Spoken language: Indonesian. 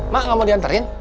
ma nggak mau dianterin